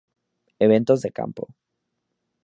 Eventos de campo.